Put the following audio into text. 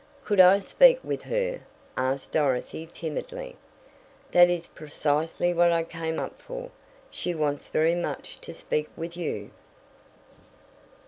"Could I speak with her?" asked Dorothy timidly. "That is precisely what I came up for. She wants very much to speak with you."